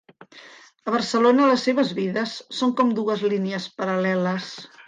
A Barcelona les seves vides són com dues línies paral·leles.